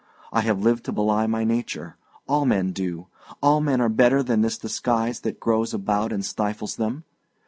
I have lived to belie my nature. All men do; all men are better than this disguise that grows about and stifles them.